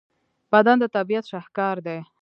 بدن د طبیعت شاهکار دی.